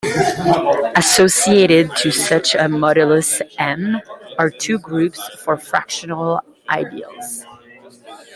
Associated to such a modulus "m" are two groups of fractional ideals.